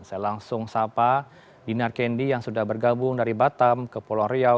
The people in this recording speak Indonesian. saya langsung sapa dinar kendi yang sudah bergabung dari batam ke pulau riau